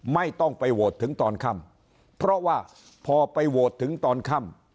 ไม่ต้องไปโหวตถึงตอนค่ำเพราะว่าพอไปโหวตถึงตอนค่ำ